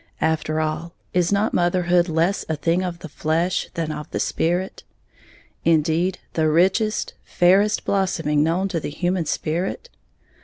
After all, is not motherhood less a thing of the flesh than of the spirit, indeed, the richest, fairest blossoming known to the human spirit?